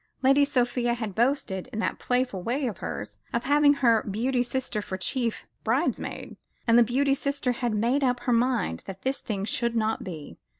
Lady Sophia had boasted, in that playful way of hers, of having her beauty sister for chief bridesmaid; and the beauty sister had made up her mind that this thing should not be.